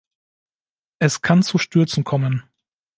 Es kann zu Stürzen kommen.